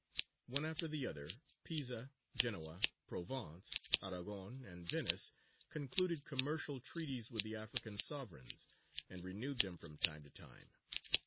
One after the other, Pisa, Genoa, Provence, Aragon, and Venice, concluded commercial treaties with the African sovereigns, and renewed them from time to time.